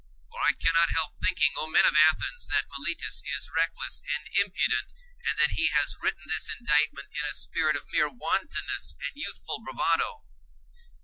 For I cannot help thinking, O men of Athens, that Meletus is reckless and impudent, and that he has written this indictment in a spirit of mere wantonness and youthful bravado.